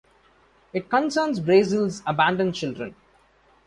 It concerns Brazil's abandoned children.